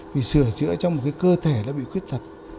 vì sửa chữa trong một cơ thể đã bị khuyết tật